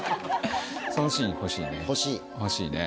そのシーン欲しいね。